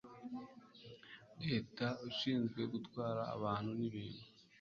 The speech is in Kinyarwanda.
leta ushinzwe gutwara abantu n ibintu